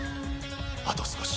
「あと少し。